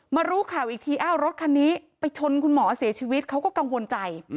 รู้ข่าวอีกทีอ้าวรถคันนี้ไปชนคุณหมอเสียชีวิตเขาก็กังวลใจ